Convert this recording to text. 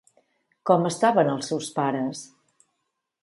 Com estaven els seus pares?